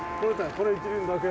これ１輪だけ。